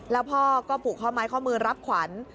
แล้วพ่อก็ผูกข้อไม้ข้อมือรับขวัญ